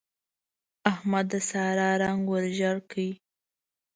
احمد د سارا رنګ ور ژړ کړ.